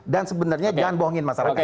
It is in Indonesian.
dan sebenarnya jangan bohongin masyarakat